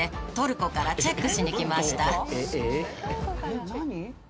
「えっ何？」